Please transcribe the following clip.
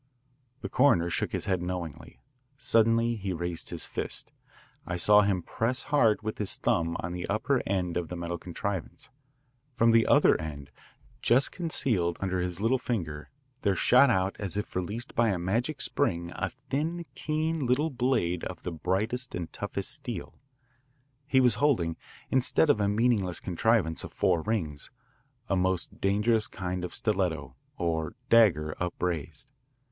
The coroner shook his head knowingly. Suddenly he raised his fist. I saw him press hard with his thumb on the upper end of the metal contrivance. From the other end, just concealed under his little linger, there shot out as if released by a magic spring a thin keen little blade of the brightest and toughest steel. He was holding, instead of a meaningless contrivance of four rings, a most dangerous kind of stiletto or dagger upraised.